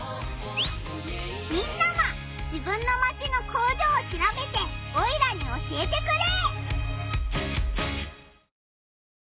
みんなも自分のマチの工場をしらべてオイラに教えてくれ！